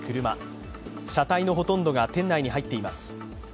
車体のほとんどが店内に入っています。